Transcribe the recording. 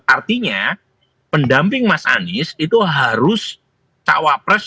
artinya pendamping mas anies itu harus cawa pres